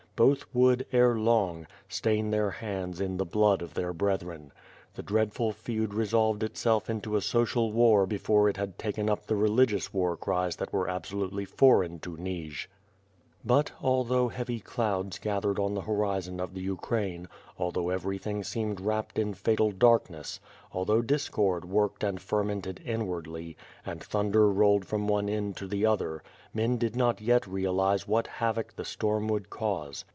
Both would, ere long, stain their hands in the blood of their brethren. Tlie dread ful feud resolved itself into a social war before it had taken up the religious war cries that were absolutely foreign to Nij. lOI I02 WITH FIRE AND SWOkD. But, although heavy clouds gathered on the horizon of the Ukraine, although everything seemed wrapped in fatal dark ness; although discord worked and fermented inwardly, and thunder rolled from one end to the other, men did not yet realize what havoc the storm would cause.